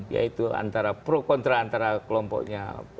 yaitu antara pro kontra antara kelompoknya